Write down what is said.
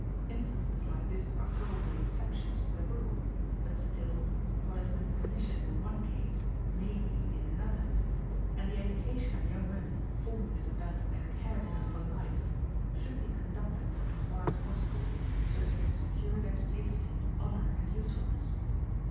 Instances like this are probably exceptions to the rule, but still, what has been pernicious in one case may be in another; and the education of young women, forming, as it does, their character for life, should be conducted, as far as possible, so as to secure their safety, honor, and usefulness.